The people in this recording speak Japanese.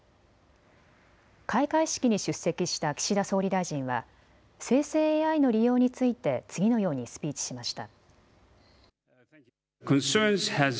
開会式に出席した岸田総理大臣は生成ＡＩの利用について次のようにスピーチしました。